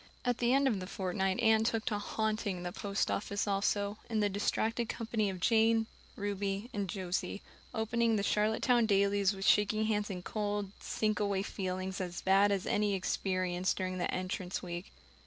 At the end of the fortnight Anne took to "haunting" the post office also, in the distracted company of Jane, Ruby, and Josie, opening the Charlottetown dailies with shaking hands and cold, sinkaway feelings as bad as any experienced during the Entrance week.